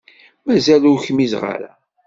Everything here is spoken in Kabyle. Mazal ur kmizeɣ ara.